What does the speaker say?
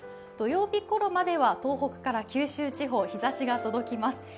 土曜日ごろまでは東北から九州地方、日ざしが届きます。